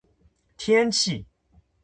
天气